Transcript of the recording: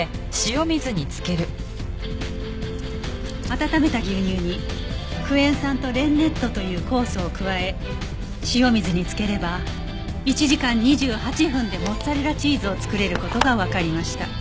温めた牛乳にクエン酸とレンネットという酵素を加え塩水に漬ければ１時間２８分でモッツァレラチーズを作れる事がわかりました。